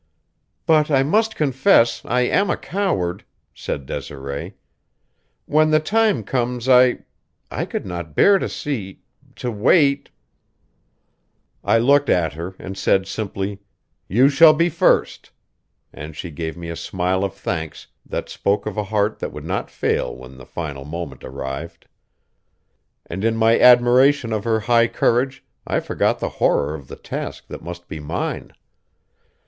"But I must confess I am a coward," said Desiree. "When the time comes I I could not bear to see to wait " I looked at her and said simply: "You shall be first," and she gave me a smile of thanks that spoke of a heart that would not fail when the final moment arrived. And in my admiration of her high courage I forgot the horror of the task that must be mine.